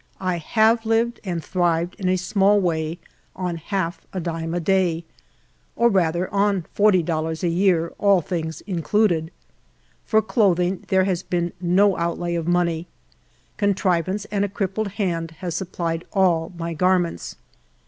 I have lived and thrived in a small way on half a dime a day, or rather, on forty dollars a year, all things included. For clothing there has been no outlay of money. Contrivance and a crippled hand has supplied all my garments.